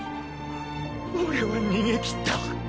俺は逃げきった。